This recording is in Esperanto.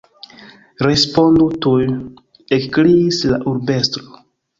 Respondu tuj! ekkriis la urbestro.